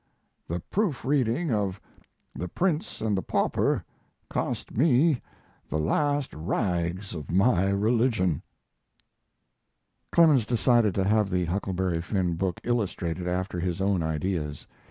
The proof reading of 'The Prince and the Pauper' cost me the last rags of my religion. Clemens decided to have the Huckleberry Finn book illustrated after his own ideas.